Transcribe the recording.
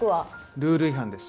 ルール違反です。